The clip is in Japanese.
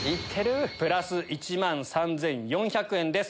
プラス１万３４００円です。